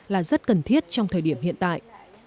là rất cần thiết trong thời điểm hiện tại